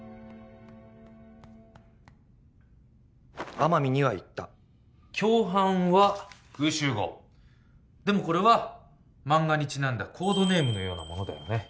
奄美には行った共犯はクウシュウゴウでもこれは漫画にちなんだコードネームのようなものだよね